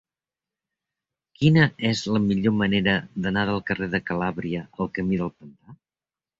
Quina és la millor manera d'anar del carrer de Calàbria al camí del Pantà?